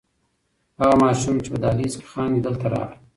هغه ماشوم چې په دهلېز کې خاندي دلته راغی.